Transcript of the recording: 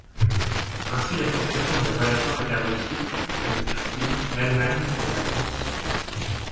Ainsi, l'association a des relations avec la Russie, le Turquie, l'Allemagne et la France.